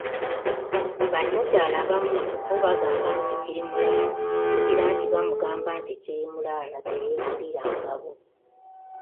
Ba nnakyala abamu bo bagamba nti "Kirimulaala", jjukira nti baamugamba nti, kirimulaala teyeegulira ngabo.